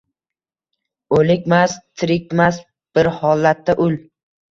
O’likmas, tirkmas, bir holatda ul